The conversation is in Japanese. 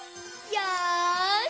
よし！